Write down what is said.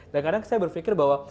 dan kadang saya berpikir bahwa